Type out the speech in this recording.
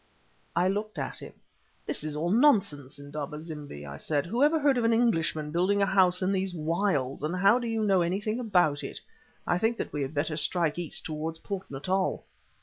I looked at him. "This is all nonsense, Indaba zimbi," I said. "Whoever heard of an Englishman building a house in these wilds, and how do you know anything about it? I think that we had better strike east towards Port Natal."